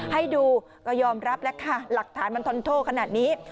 ให้ดูก็ยอมรับแล้วค่ะหลักฐานมันทนโทษขนาดนี้